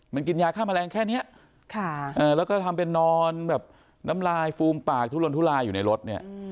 มันกินยาฆ่าแมลงแค่นี้แล้วก็ทำเป็นนอนแบบน้ำลายฟูมปากทุลนทุลายอยู่ในรถเนี่ย